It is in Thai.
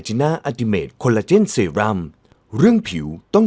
คำก็ไม่ตอบขอคำก็ไม่ตอบ